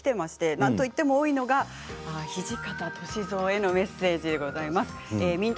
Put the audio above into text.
なんといっても多いのが土方歳三へのメッセージです。